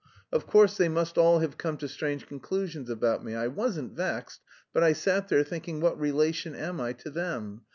Of course, they must all have come to strange conclusions about me. I wasn't vexed, but I sat there, thinking what relation am I to them?